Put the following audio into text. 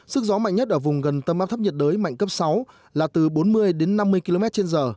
sức gió mạnh nhất ở vùng gần tâm áp thấp nhiệt đới mạnh cấp sáu là từ bốn mươi đến năm mươi km trên giờ